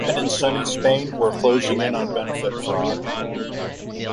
Even in sunny Spain, we're closing in on benefit fraud.